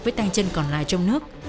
với tay chân còn lại trong nước